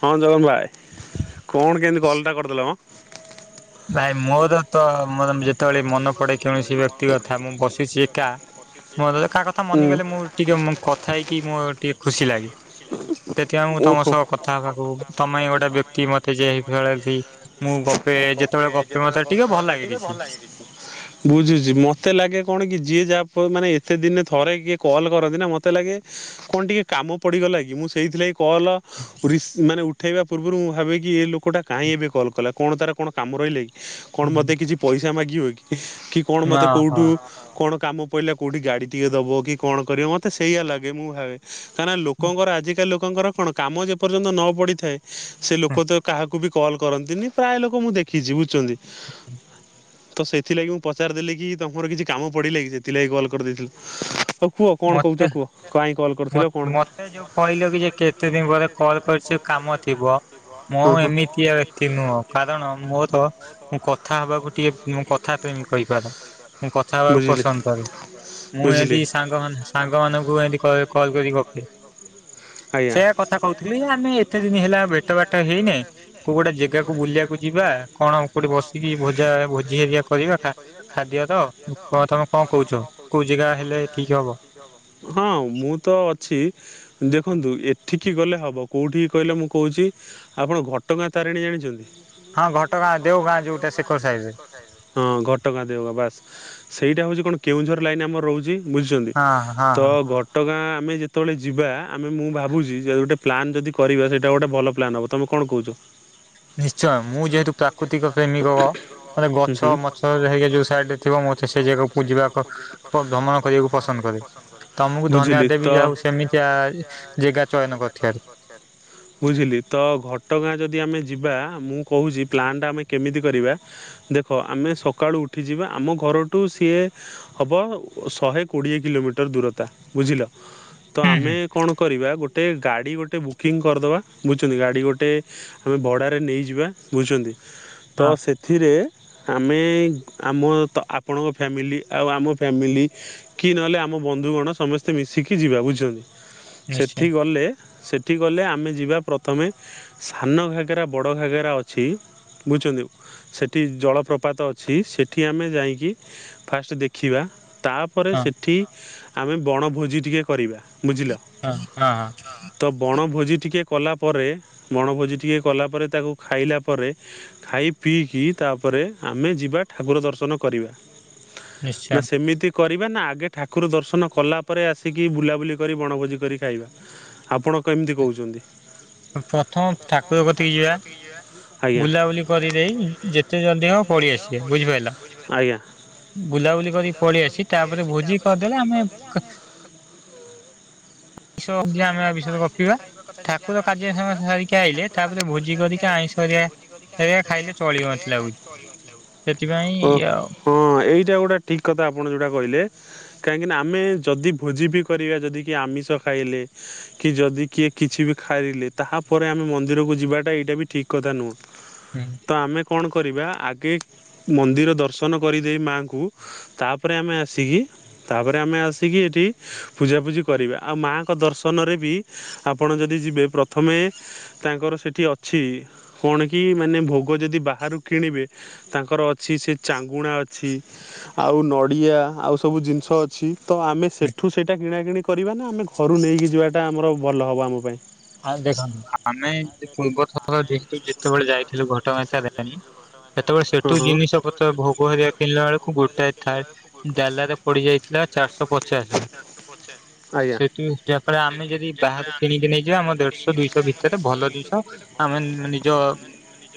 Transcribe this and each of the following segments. ହଁ, ଜଗନ୍ ଭାଇ କଣ କେମିତି କଲ୍ ଟା କରିଦେଲ ମ? ନାଇଁ ମୋର ତ ମୋର ଯେତେବେଳେ ମନ ପଡେ, କୌଣସି ବ୍ୟକ୍ତି କଥା, ମୁଁ ବସିଛି ଏକା, ମୋର କାହା କଥା ମନିଗଲେ ମୁଁ ଟିକେ, ମୁ କଥା ହେଇକି ମୋ ଟିକେ ଖୁସି ଲାଗେ। ସେଥିପାଇଁ ମୁଁ ତମ ସହ କଥା ହବାକୁ, ତମେ ହିଁ ଗୋଟେ ବ୍ୟକ୍ତି, ମତେ ଯେ ଭଳେ ବି ମୁଁ ଗପ୍ ପେ ଯେତେବେଳେ, ଗପେ ମସେ ଟିକେ ଭଲ ଲାଗେ। ବୁଝୁଛି! ମତେ ଲାଗେ କଣ କି ଯିଏ ଯା ମାନେ, ଏତେ ଦିନେ ଥରେ କିଏ କଲ୍ କରନ୍ତି ନା! ମତେ ଲାଗେ, କଣ ଟିକେ କାମ ପଡିଗଲା କି? ମୁଁ ସେଇଥିଲାଗି କଲ୍ ରିସ୍ ମାନେ ଉଠ୍ ଉଠେଇବା ପୂର୍ବରୁ ମୁଁ ଭାବେକି, ଏଇ ଲୋକଟା କାହିଁ ଏବେ କଲ୍ କଲା କଣ ତାର କଣ କାମ ରହିଲା କି? କଣ ମୋତେ କିଛି ପଇସା ମାଗିବ କି? କି କଣ ମତେ କୋଉଠୁ କଣ କାମ ପଇଲେ କଉଠି ଗାଡ଼ିଟିଏ ଦବ କି କଣ କରିବ? ମୋତେ ସେଇଆା ଲାଗେ ମୁଁ ଭାବେ। କାଇଁ ନା ଲୋକଙ୍କର, ଆଜିକାଲି ଲୋକଙ୍କର କଣ! କାମ ଯେ ପର୍ଯ୍ୟନ୍ତ ନ ପଡ଼ିଥାଏ, ସେ ଲୋକ ତ କାହା କୁ ବି କଲ୍ କରନ୍ତିନି। ପ୍ରାୟ ଲୋକ ମୁଁ ଦେଖିଛି, ବୁଝୁଛନ୍ତି। [inaudible] ତ ସେଥିଲାଗି ମୁଁ ପଚାରି ଦେଲି, କି ତମର କିଛି କାମ ପଡ଼ିଲା କି! ସେଥିଲାଗି କଲ୍ କରିଦେଇଥିଲ। ଆଉ କୁହ, କଣ କହୁଛ କୁହ? କାଇଁ ମତ୍ ମତେ ଯୋଉ କହିଲ କିଯେ, କେତେ ଦିନ ପରେ କଲ୍ କରିଛ କାମ ଥିବ? ମୁଁ ଏମିତିଆ ବ୍ୟକ୍ତି ନୁହଁ। କାରଣ ମୋର ମୁଁ କଥ କଥା ହବାକୁ ଟିକେ କଥା କହିିପାର। ମୁଁ କଥା ହେବାକୁ ପସନ୍ଦ କରେ। ମୁଁ ଏଠି ସା ମ ସାଙ୍ଗମାନଙ୍କୁ ଏମତି କଲ୍ କରିକି ଗପେ। [unintelligible] ସେୟା କଥା କହୁଥିଲି ଆମେ ଏତେ ଦିନ ହେଲା ଭେଟ ଭାଟ ହେଇନେ କୋଉ ଗୋଟେ ଜାଗାକୁ ବୁଲିବାକୁ ଯିବା। କଣ କୋଉଠି ବସିକି ଭୋଜା ଭୋଜି ହେରିକା କରିବା ଖାଦ୍ୟର ତ ତମେ କଣ କହୁଛ। କୋଉ ଜାଗା ହେଲେ। ହଁ ମୁଁ ତ ଅଛି ଦେଖନ୍ତୁ ଏଠିକି ଗଲେ ହବ। କେଉଁଠିକି କହିଲେ ମୁଁ କହୁଛି ଆପଣ ଘଟଗାଁ ତାରିଣୀ ଜାଣିଛନ୍ତି? ହଁ ଘଟକା ଦେଉ ବାସ। ସେଇଟା ହେଉଛି କଣ କେଉଁଝର ଲାଇନ୍ ଆମର ରହୁଛି ବୁଝିଛନ୍ତି ତ ଘଟଗାଁ ଆମେ ଯେତେବେଳେ ଯିବା। ଆମେ ମୁଁ ଭାବୁଛି ଯେ ଗୋଟେ ପ୍ଲାନ୍ ଯଦି କରିବା ସେଇଟା ଗୋଟେ ଭଲ ପ୍ଲାନ୍ ହେବ ତମେ କଣ କହୁଛ? ନିଶ୍ଚୟ ମୁଁ ଯେହେତୁ ପ୍ରାକୃତିକ ପ୍ରେମିକ ମାନେ ଗଛ ମଛ ହେକ ଯୋଉ ସାଇଡରେ ଥିବ ମତେ ସେ ଜାଗାକୁ ପୂଜିବା ଭ୍ରମଣ କରିବାକୁ ପସନ୍ଦ କରେ ତମକୁ ଧନ୍ୟବାଦ ଦେବି ଯାହାଉ ସେମତି [unintelligible] ବୁଝିଲି ତ ଘ ଘଟଗାଁ ଯଦି ଆମେ ଯିବା ମୁଁ କହୁଛି ପ୍ଲାନ୍ ଟା ଆମେ କେମିତି କରିବା ଦେଖ ଆମେ ସକାଳୁ ଉଠିଯିବା ଆମ ଘରଠୁ ସିଏ ହବ ଶହେ କୋଡ଼ିଏ କିଲୋମିଟର ଦୂରତା ବୁଝିଲ। ତ ଆମେ କରିବା ଗୋଟେ ଗାଡ଼ି ଗୋଟେ ବୁକିଂ କରିଦେବା ବୁଝୁଛନ୍ତି ଗାଡ଼ି ଗୋଟେ ଆମେ ଭଡ଼ାରେ ନେଇଯିବା। ବୁଝୁଛନ୍ତି ତ ସେଥିରେ ଆମେ ଆମ ତ ଆପଣଙ୍କ ଫ୍ୟାମିଲି ଆଉ ଆମ ଫ୍ୟାମିଲି କି ନହେଲେ ଆମ ଆମ ବନ୍ଧୁଗଣ ସମସ୍ତେ ମିଶିକି ଯିବା ବୁଝିଛନ୍ତି ସେଠି ଗଲେ ସେଠି ଗଲେ ଆମେ ଯିବା ପ୍ରଥମେ ସାନ ଘାଗେରା ବଡ଼ ଘାଗେରା ଅଛି। ବୁଝୁଛନ୍ତି ସେଠି ଜଳପ୍ରପାତ ଅଛି ସେଠି ଆମେ ଯାଇକି ଫାଷ୍ଟ ଦେଖିବା। ତାପରେ ସେଠି ଆମେ ବଣଭୋଜି ଟିକେ କରିବା। ବୁଝିଲ ତ ବଣ ଭୋଜି ଟିକେ କଲାପରେ ବଣଭୋଜି ଟିକିଏ କଲା ପରେ ତାକୁ ଖାଇଲା ପରେ ଖାଇ ପିଇକି କି ତାପରେ ଆମେ ଯିବା ଠାକୁର ଦର୍ଶନ କରିବା। ନା ସେମିତି କରିବା ନା ଆଗେ ଠାକୁର ଦର୍ଶନ କଲା ପରେ ଆସିକି ବୁଲାବୁଲି। କରି ବଣଭୋଜି କରି ଖାଇବା ଆପଣ କେମିତି କହୁଛନ୍ତି? ହ ପ୍ରଥମ ଠାକୁର କତିକି ଯିବା ବୁଲାବୁଲି କରିଦେଇ ଯେତେ ଜଲଦି ହବ ପଡିଆ ଆଜ୍ଞା। ବୁଲାବୁଲି କରି ପଳେଇ ଆସି ତାପରେ ଭୋଜି କରିଦେଲେ ଆମେ ଆମେ ବିଷୟରେ ଗପିବା। [inaudible] ଓ ହଁ ଏଇଟା ଗୋଟେ ଠିକ କଥା ଆପଣ ଯୋଉଟା କହିଲେ। କାହିଁକିନା ଆମେ ଯଦି ଭୋଜି ବି କରିବା ଯଦି କି ଆମିଷ ଖାଇଲେ କି ଯଦି କିଏ କିଛି ବି ଖାଇଲେ ତାହାପରେ ଆମେ ମନ୍ଦିରକୁ ଯିବାଟା ଏଇ ବି ଠିକ କଥା ନୁହଁ। ହୁଁ। କଣ କରିବା ଆଗେ ମନ୍ଦିର ଦର୍ଶନ କରିଦେଇ ମାଆଙ୍କୁ ତାପରେ ଆମେ ଆସିକି ତାପରେ ଆମେ ଆସିକି ଏଠି ପୂଜାପୂଜି କରିବେ ଆଉ ମାଆଙ୍କ ଦର୍ଶନରେ ବି ଆପଣ ଯଦି ଯିବେ ପ୍ରଥମେ ତାଙ୍କର ସେଇଠି ଅଛି। ଅଛି କଣ କି ମାନେ ଭୋଗ ଯଦି ବାହାରୁ କିଣିବେ ତାଙ୍କର ଅଛି ସେ ଚାଙ୍ଗୁଣା ଅଛି। ଅଛି ଆଉ ନଡ଼ିଆ ଆଉ ସବୁ ଜିନିଷ ଅଛି। ତ ଆମେ ସେଠୁ ସେଇଟା କିଣାକିଣି କରିବା ନା ଆମେ ଘରୁ ନେଇକି ଯିବାଟା ଆମର ଭଲ ହେବ ଆମ ପାଇଁ। ଆ ଦେଖନ୍ତୁ ଆମେ ପୂର୍ବଥରୁ ଯେତେବେଳେ ଯାଇଥିଲୁ ଘଟଗାଁ ତାରେଣୀ। ସେତେବେଳେ ସେଠୁ ଜିନିଷ ପତ୍ର ଭୋଗ ହେରିବା କିଣିଲା ବେଳକୁ ଗୋଟେ ଥାଏ। ଡାଲା ରେ ପଡି ଯାଇଥିଲା। ଚାରିଶହ ପଚାଶ। ସେଠୁ ଆମେ ଯଦି ବାହାରୁ କିଣିକି ନେଇ ଆମ ଦେଢଶହ ଦୁଇଶହ ଭିତରେ ଭଲ ଜିନିଷ ଆମେ ନିଜ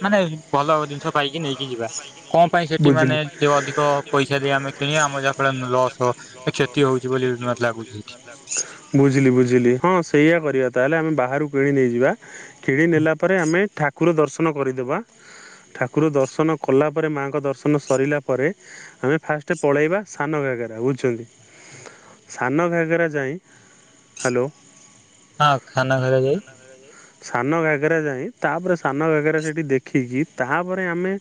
ମାନେ ଭଲ ଜିନିଷ ପାଇକି ନେଇକି ଯିବା। କଣ ପାଇଁ ସେଠି ମାନେ ଅଧିକ ପଇସା ଦେଇ ଆମେ କିଣିବା ଆମର ଯାହାଫଳ ରେ ଲସ୍ ବୁଝିଲି ବୁଝିଲି। ହଁ ସେଇଆ କରିବା ତାହେଲେ ଆମେ ବାହାରୁ କିଣି ନେଇଯିବା। କିଣି ନେଲା ପରେ ଆମେ ଠା ଠାକୁର ଦର୍ଶନ କରିଦେବା। ଠାକୁ ଠାକୁର ଦର୍ଶନ କଲା ପରେ ମାଆଙ୍କ ଦର୍ଶନ ସରିଲା ପରେ ଆମେ ଫାଷ୍ଟ ପଳେଇବା ସାନ ଘାଗେରା। ବୁଝ ସାନ ଘାଗରା ଯାଇ, ହ୍ୟାଲୋ। ହଁ। [unintelligible] ସାନ ଘାଗରା ଯାଇଁ ତାପରେ ସାନ ଘାଗରା ସେଠି ଦେଖିକି, ତା ପରେ ଆମେ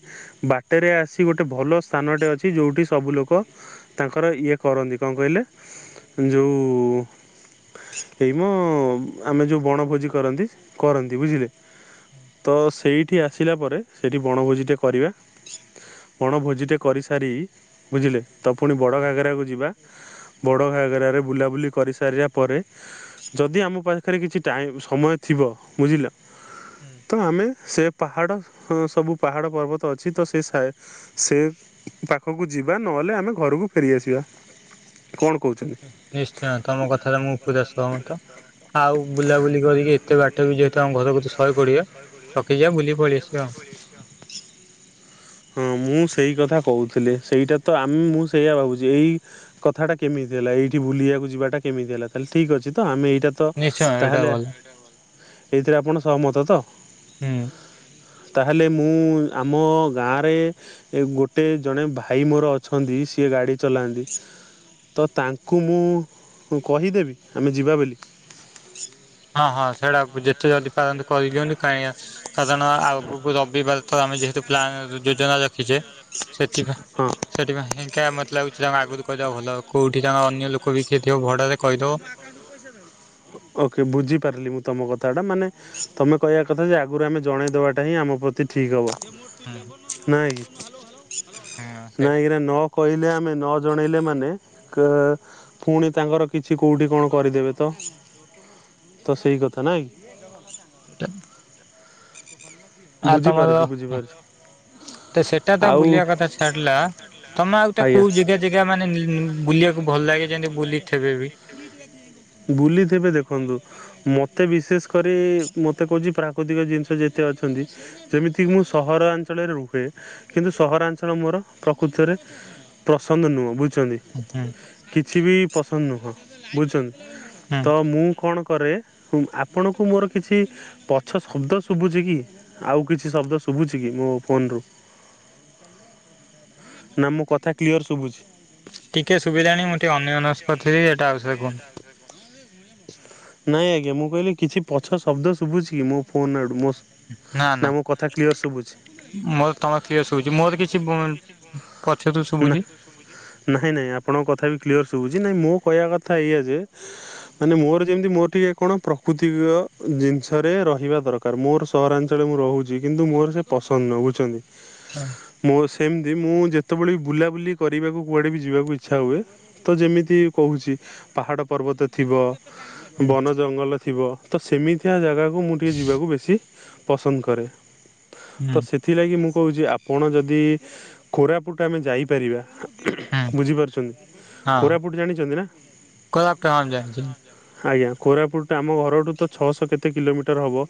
ବାଟରେ ଆସି ଗୋଟେ ଭଲ ସ୍ଥାନଟେ ଅଛି ଯୋଉଠି ସବୁ ଲୋକ ତାଙ୍କର ଇଏ କରନ୍ତି କଣ କହିଲେ ଯୋଉ ଏଇ ମ ଆମେ ଯୋଉ ବଣଭୋଜି କରନ୍ତି, କରନ୍ତି ବୁଝିଲେ। ତ ସେଇଠି ଆସିଲା ପରେ ସେଇଠି ବଣଭୋଜିଟେ କରିବା। ବଣଭୋଜିଟେ କରିସାରି ବୁଝିଲେ ତ ପୁଣି ବଡ଼ ଘାଗରାକୁ ଯିବା। [inaudible] ବଡ଼ ଘାଗରାରେ ବୁଲାବୁଲି କରିସାରିବା ପରେ ଯଦି ଆମ ପାଖରେ କିଛି ଟାଇମ୍ ସମୟ ଥି ବ ବୁଝିଲ ତ ଆମେ ସେ ପାହାଡ଼ ହଁ। ସବୁ ପାହାଡ ପର୍ବତ ଅଛି। ତ ସେ ସେ ପାଖକୁ ଯିବା ନହେଲେ ଆମେ ଘରକୁ କୁ ଫେରିଆସିବା। [inaudible] ନିଶ୍ଚୟ ତମ କଥାରେ ମୁଁ ପୁରା ସହମତ। ଆଉ ବୁଲାବୁଲି କରିକି ଏତେ ବାଟ ବି ଯେହେତୁ ଆମ ଘରକୁ ତୁ ଶହେ କୋଡ଼ିଏ। ଥକିଯିବା ବୁଲି ପଳେଇଆସ। [unintelligible] ହଁ, ମୁଁ ସେଇ କଥା କହୁଥିଲି ସେଇଟା ତ ଆମେ ମୁଁ ସେଇଆ ଭାବୁଛି ଏଇ କଥାଟା କେମିତି। ହେଲା ଏଇଠି ବୁିଲିବାକୁ ଯିବା ଟା କେମିତି ହେଲା। ତାହେଲେ ଠିକ୍ ଅଛି ତ ଆମେ ଏଇ ତ ତାହେଲେ ଏଇଥିରେ ଆପଣ ସହମତ ତ? ହୁଁ। ତାହେଲେ ମୁଁ ଆମ ଗାଁରେ ଗୋଟେ ଜଣେ ଭାଇ ମୋର ଅଛନ୍ତି ସିଏ ଗାଡ଼ି ଚଲାନ୍ତି। ତ ତାଙ୍କୁ ମୁଁ କହିଦେବି ଆମେ ଯିବା ବୋଲି। ହଁ ହଁ। ସେଇଡା ଯେତେ ଜଲଦି ପାରନ୍ତୁ କହିଦିଅନ୍ତୁ। କାରଣ ଆଗକୁ ରବିବାର ତ ଆମେ ଯେହେତୁ ପ୍ଲାନ ଯୋଜନା ରଖିଚେ। ସେଥିପାଇଁ ସେଥିପାଇଁକା ମତେ ଲାଗୁଛି ଆ ଗୁରୁ କହିଦେବା ଭଲ। କୋଉଠି ତାଙ୍କ ଅନ୍ୟ ଲୋକ ବି କିଏ ଥିବ ଭଡାରେ ଓକେ ବୁଝି ପାରିଲି ମୁଁ ତମ କଥାଟା। ମାନେ ତମେ କହିବା କଥା ଯେ ଆଗରୁ ଆମେ ଜଣେଇଦବାଟା ହିଁ ଆମ ପ୍ରତି ଠିକ୍ ହବ। ନାଇଁ ନାଇଁ କିନା ନ କହିଲେ ଆ ଆମେ ନ ଜଣେଇଲେ ମାନେ କ ପୁଣି ତାଙ୍କର କିଛି କୋଉଁଠି କଣ କରିଦେବେ ତ। ତ ସେଇ କଥା ନାହିଁ। [inaudible] ଆଉ ତମର ତ ସେଟା ତ ବୁଲିବା କଥା ଛାଡିଲା। ତମେ ଆଉ ଗୋଟେ କୋଉ ଜେଗା ଜେଗା ମାନେ ବୁଲିବାକୁ ଭଲ ଲାଗେ? ଯେମତି ବୁଲିଥିବେ ବି। ବୁଲିଥିବେ ଦେଖନ୍ତୁ ମତେ ବିଶେଷ କରି ମତେ କହୁଛି ପ୍ରାକୃତିକ ଜିନିଷ ଯେତି ଅଛନ୍ତି ଯେମିତିକି ମୁଁ ସହରାଞ୍ଚଳରେ ରୁହେ। କିନ୍ତୁ ସହରାଞ୍ଚଳ ମୋର ପ୍ରକୃତରେ [inaudible] ପସନ୍ଦ ନୁହଁ। ବୁଝୁଛନ୍ତି, କିଛି ବି ପସନ୍ଦ ନୁହଁ ବୁଝୁଛନ୍ତି। ତ ମୁଁ କଣ କରେ? ହଁ। ଆପଣଙ୍କୁ ମୋର କିଛି ପଛ ଶବ୍ଦ ଶୁଭୁଛି କି ଆଉ କିଛି ଶବ୍ଦ ଶୁଭୁଛି କି? ମୋ ଫୋନରୁୁ ନା। ମୋ କଥା କ୍ଲିଅର ଶୁଭୁଛି! ଟିକେ ସୁଭିଲାଣି ମୁଁ ଟିକେ ଅନ୍ୟମନସ୍କ ଥିବି। ଏଟା ଆଉଥରେ କୁହନ୍ତୁ? ନାଇଁ ଆଜ୍ଞା। ମୁଁ କହିଲି କିଛି ପଛ ଶବ୍ଦ ଶୁଭୁଛି କି ମୋ ଫୋନ ଆଡୁ ମୋ ନା ମୋ କଥା କ୍ଲିଅର ଶୁଭୁଛି? ମୋତ ତମ କ୍ର ଶୁଭୁଛି ମୋତ କିଛି ପଛ ତୁ ଶୁଭୁଛି। ନାଇଁ ନାଇଁ ଆପଣଙ୍କ କଥା ବି କ୍ଲିୟର ଶୁଭୁଛି ନାଇଁ ମୁଁ କହିବା କଥା ଇା ଯେ ମାନେ ମୋର ଯେମିତି ମୋର ଟିକେ କଣ ପ୍ରକୃତିକ ଜିନିଷରେ ରହିବା ଦରକାର ମୋର ସହରାଞ୍ଚଳ ମୁ ରହୁଛି କିନ୍ତୁ ମୋର ସେ ପସନ୍ଦ ନଁ ବୁଝଛନ୍ତି ମୋ ସେମିତି ମୁଁ ଯେତେବେଳେ ବି ବୁଲାବୁଲି କରିବାକୁ କୁଆଡ଼େ ବି ଯିବାକୁ ଇଚ୍ଛା ହୁଏ ତ ଯେମିତି କହୁଛି। ପାହାଡ଼ ପର୍ବତ ଥିବ ବନ ଜଙ୍ଗଲ ଥିବ। ତ ସେମିତିଆ ଜାଗାକୁ ମୁଁ ଟିକିଏ ଯିବାକୁ ବେଶୀ ପସନ୍ଦ କରେ। ତ ସେଥିଲାଗି ମୁଁ କହୁଛି ଆପଣ ଯଦି କୋରାପୁଟ ଆମେ ଯାଇପାରିବା ବୁଝିପାରୁଛନ୍ତି। କୋରାପୁଟ ଜାଣିଛନ୍ତି ନା? କୋରାପୁଟ ହଁ ମୁଁ ଜାଣିଚିନି ଆଜ୍ଞା କୋରାପୁଟା ଆମ ଘରଠୁ ତ ଛଅଶହ କେତେ କିଲୋମିଟର ହେବ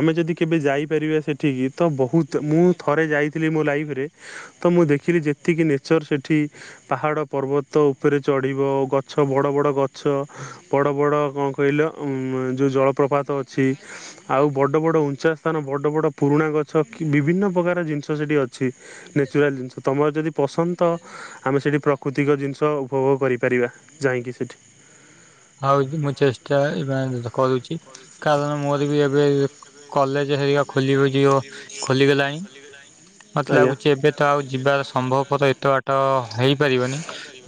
ଆମେ ଯଦି କେବେ ଯାଇପାରିବା ସେ ଏଠିକି ତ ବହୁତ ମୁଁ ଥରେ ଯାଇଥିଲି ମୋ ଲାଇଫରେ ତ ମୁଁ ଦେଖିଲି ଯେତିକି ନେଚର୍ ସେଇଠି ପାହାଡ ପର୍ବତ ଉପରେ ଚଢ଼ିବ ଗଛ ବଡ଼ ବଡ଼ ଗଛ ଛ ବଡ଼ ବଡ଼ କଣ କହିଲ ଯୋଉ ଜଳପ୍ରପାତ ଅଛି ଆଉ ବଡ଼ ବ ଉଞ୍ଚା ସ୍ଥାନ ବଡ଼ ବଡ଼ ପୁରୁଣା ଗଛ ବିଭିନ୍ନ ପ୍ରକାର ଜିନିଷ ସେଠି ଅଛି ନେଚୁରାଲ ଜିନିଷ ତ ତମର ଯଦି ପସନ୍ଦ ତ ଆମେ ସେଇଠି ପ୍ରାକୃତିକ ଜିନିଷ ଉପଭୋଗ କରିପାରିବା ଯାଇକି ସେଠି। ହଉ ମୁଁ ଚେଷ୍ଟା ଏ କରୁଛି କାରଣ ମୋର ବି ଏବେ କଲେଜ ଜେ ହେରିକା ଖୋଲିବ ଯିବ ଖୋଲିଗଲାଣି ମତେ ଲାଗୁଚ ଏବେ ତ ଆଉ ଯିବାର ସମ୍ଭବ ପର ଏତେ ବାଟ ହେଇପାରିବନି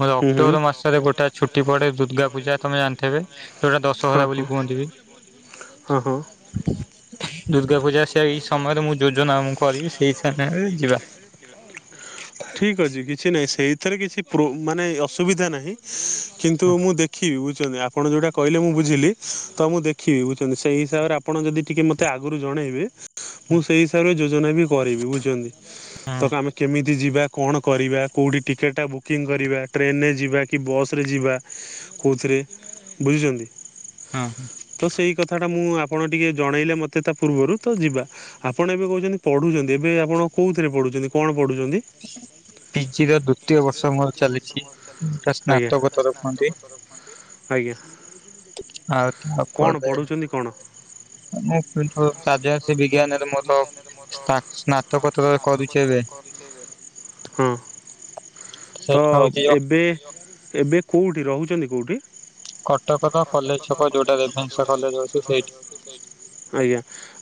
ମୋ ଅକ୍ଟୋବର ମାସରେ ଗୋଟେ ଛୁଟି ପଡେ ଦୁର୍ଗା ପୂଜା ତମେ ଜାଣିଥିବେ ଯୋଉଟା ଦଶହରା ବୋଲି କୁହନ୍ତି ବି। ଦୁର୍ଗା ପୂଜା ଠିକ ଅଛି କିଛି ନାଇଁ ସେଇଥିରେ କିଛି ପ୍ରୋ ମାନେ ଅସୁବିଧା ନାହିଁ କିନ୍ତୁ ମୁଁ ଦେଖିବି ବୁ ଛନ୍ତି ଆପଣ ଯୋଉଟା କହିଲେ ମୁଁ ବୁଝିଲି ତ ମୁଁ ଦେଖିବି ବୁଝଛନ୍ତି ସେଇ ହିସାବରେ ଆପଣ ଯି ଟିକେ ମେ ଆଗରୁ ଜଣ ଇବେ ମୁଁ ସେଇ ହିସାବରେ ଯୋଜନା ବି କରିବି ବୁଝଛନ୍ତି, ତ ଆମେ କେମିତି? ମିତି ଯିବା କଣ କରିବା କେଉଁଠି ଟିକେଟ୍ଟା ବୁକିଂ କରିବା ଟ୍ରେନେ ଯିବା କି ବସ୍ ରେ ଯିବା କୋଉଥିରେ ବୁଝୁଛନ୍ତି। ତ ସେଇ କଥା ଟା ମୁଁ ଆପଣ ଟିକେ ଜଣେଇଲେ ମତେ ତା ପୂର୍ବରୁ ତ ଯିବା ଆପଣ ଏବେ କହୁଛନ୍ତି ପଢ଼ୁଛନ୍ତି, ଏବେ ଆପଣ କୋଉଥିରେ ପଢ଼ୁଛନ୍ତି କଣ? [inaudible] ପିଜି ର ଦ୍ଵିତୀୟ ବର୍ଷ ମୋର ଚାଲିଛିଏଟା ସ୍ନାତକ ତରଫନ୍ତି ଆଜ୍ଞା। ଆଉ ତାପରେ ମୁଁ [unintelligible] ରାଜସ୍ବ ବିଜ୍ଞାନରେ ମୋତ ସ୍ନାତ ସ୍ନାତକୋତ କରୁଛି ଏବେ ହଁ ତ ଏବେ ଏବେ କୋଉଠି ରହୁଛନ୍ତି କୋଉଠି? [inaudible] କଟକର କଲେଜ ଛକ ଯୋଉଟା ରେଭେନ୍ସା କଲେଜ ଅଛି ଆଜ୍ଞା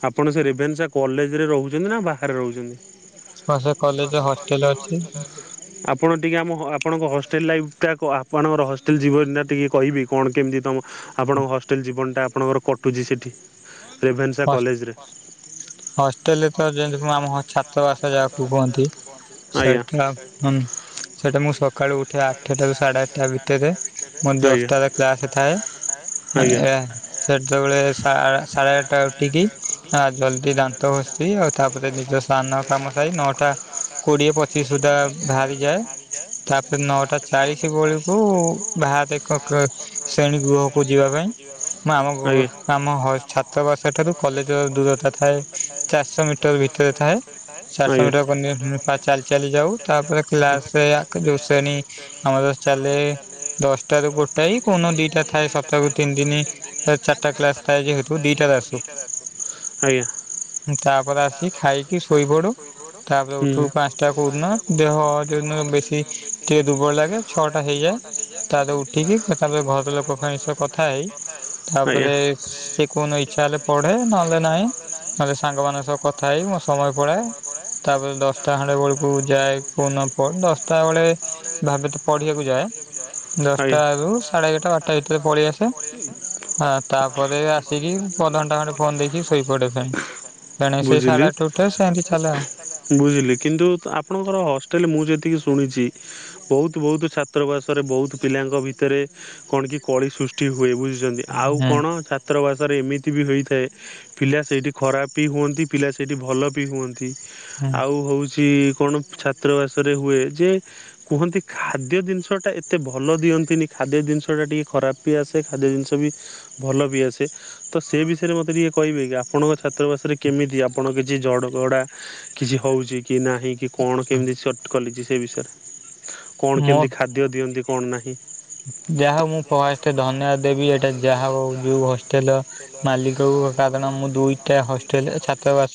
ଆପଣ ସେ ଭେନ୍ସା କଲେଜ ରେ ରହୁଛନ୍ତି ନା ବାହାରେ ରହୁଛନ୍ତି? କଲେଜ ହଷ୍ଟେଲ ରେ ଅଛି ଆପଣ ଟିକେ ଆମ ଘ ଆପଣଙ୍କ ହଷ୍ଟେଲ ଲାଇଫ୍ ଟାକୁ ଆପଣଙ୍କର ହଷ୍ଟେଲ ଜୀବନଟା ଟିକେ କହିବେ କଣ କେମିତି ତମ ଆପଣଙ୍କ ହଷ୍ଟେଲ ଜୀବନଟା ଆପଣଙ୍କର କଟୁଛି ସେଠି ରେଭେନ୍ସା କଲେଜରେ। ହଷ୍ଟେଲରେ ତ ଯେମତି ଆମ ଛାତ୍ରବାସ ଯାହାକୁ କୁହନ୍ତି ସେଇଟା ସେଇଟା ମୁଁ ସକାଳୁ ଉଠେ ଆଠଟାରୁ ସାଢ଼େ ଆଠଟା ଭିତରେ ମୋର ଦଶଟାରେ କ୍ଲାସ୍ ଥାଏ। ଆଁ ସେତେବେଳେ ସା ସାଢ଼େ ଆଠଟା ଉଠିକି ଜ ଦାନ୍ତ ଘଷି ଆଉ ତାପରେ ନିଜ ସ୍ନାନ କାମ ସାଇ ନଅଟା କୋଡିଏ ପଚିଶ ସୁଦ୍ଧା ବାହାରି ଯାଏ ତାପରେ ନଅଟା ଚାଳିଶ ବେଳକୁ ବାହାରେ ଏକ ସେ ଗୃହକୁ ଯିବା ପାଇଁ, ମୁଁ ଆମ ଆମ ହ ଛାତ୍ରବାସ ଠାରୁ କଲେଜ ଦୂରତା ଥାଏ, ଚାରିଶହ ମିଟର ଭିତରେ ଥାଏ ଚାରିଶହ ମିଟର ପନ୍ତ ମୁ ଚାଲି ଚାଲି ଯାଉ ତାପରେ ଏ କ୍ଲାସ୍ ରେ ଏ ଯୋଉ ଶ୍ରେଣୀ ଆମର ଚାଲେ ଦଶଟା ରୁ ଗୋଟାଏ କୋଉ ଦିନ ଦିଟା ଏ ଥାଏ ସପ୍ତାହକୁ ତିନି ଦିନି ଚାରିଟା କ୍ଲାସ୍ ଥାଏ ଯେହେତୁ ଆଜ୍ଞା। ତାପରେ ଆସିିକି ଖାଇକି ଶୋଇପଡୁ ତାପରେ ଉଠୁ ପାଞ୍ଚଟା କୋଉ ଦିନ ଖେ ହଁ ସେ ଦିନ ବେଶି ଟିକେ ଦୁର୍ବଳ ଲାଗେ ଛଅ ଟା ହେଇଯାଏ ତାପରେ ଉଠିକି ଏକା ଥରକେ ଘରର ଆଜ୍ଞା। କୋଉ ଦିନ ଇଚ୍ଛା ହେଲେ ପଢେ ନହଲେ ନା ନହେଲେ ନାହିଁ, ନଲେ ସାଙ୍ଗ ମାନଙ୍କ ସହ କଥା ହେଇ ମୁଁ ସମର ପଳାଏ। ତା ପରେ ଦଶଟା ଖଣ୍ଡେ ବେ ଆଜ୍ଞା। ରୁ ସାଢେ ଏଗାରଟା ବାରଟା ଭିତରେ ପଳେଇ ଆସେ ତା ଆସିକି ପ ଅଧ ଘଣ୍ଟା ଖଣ୍ଡେ ଫୋନ ଦେଖିକି ଶୋଇ ପଡେ ଫେଣି। ବୁଝିଲି ବୁଝିଲି କିନ୍ତୁ ତ ଆପଣଙ୍କର ହଷ୍ଟେଲ ମୁଁ ଯଦି ଯେତିକି ଶୁଣିଛି, ବହୁତ ବହୁତ ଛାତ୍ରବାସରେ ବହୁତ ପିଲାଙ୍କ ଭିତରେ କଣ କି କଳି ଶ୍ରୁ ସୃଷ୍ଟି ହୁଏ ବୁଝୁଛନ୍ତି ।ଆଉ କଣ ଛାତ୍ର ବାସରେ ଏମିତି ବି ହୋଇଥାଏ। ପିଲା ସେଇଠି ଖରାପ ବି ହୁଅନ୍ତି, ପିଲା ସେଇଠି ଭଲ ବି ହୁଅନ୍ତି ।ଆଉ ହଉଛି କଣ ଛାତ୍ରବାସରେ ହୁଏ, ଯେ କୁହନ୍ତି ଖାଦ୍ୟ ଜିନିଷ ଟା ଏତେ ଭଲ ଦିଅନ୍ତିନି। ଖାଦ୍ୟ ଜିନିଷଟା ଟିକିଏ ଖରାପ ବି ଆସେ। ଖାଦ୍ୟ ଜିନିଷ ବି ଭଲ ବି ଆସେ ।ତ ସେ ବିଷୟରେ ମୋତେ ଟିକେଏ କହିବେ କି, ଆପଣଙ୍କ ଛାତ୍ରବାସରେ କେମିତି ଆପଣ କି କି ଝଡ଼ଗଡ଼ା କିଛି ହଉଛି କି ନାହିଁ, କି କଣ କେମିତି ସଟ୍ କଲିଛି ସେ ବିଷୟରେ। କଣ କେମିତି ଖାଦ୍ୟ ଦିଅନ୍ତି କଣ ନାହିଁ। ଯାହା ହଉ ମୁଁ ଫଷ୍ଟେ ଧନ୍ୟବାଦ ଦେବି, ଏଟା ଯାହା ହଉ ଯୋଉ ହଷ୍ଟେଲ ମାଲିକକୁ ଓ ତା କାରଣ ମୁଁ ଦୁଇଟା ହଷ୍ଟେଲ ଛାତ୍ରବାସ